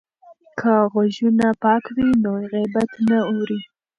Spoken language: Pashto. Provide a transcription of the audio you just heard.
که غوږونه پاک وي نو غیبت نه اوري.